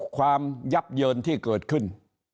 ยับเยินที่เกิดขึ้น